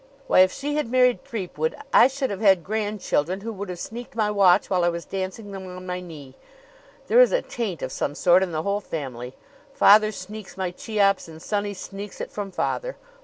"Why, if she had married Threepwood I should have had grandchildren who would have sneaked my watch while I was dancing them on my knee! There is a taint of some sort in the whole family. Father sneaks my Cheops and sonny sneaks it from father.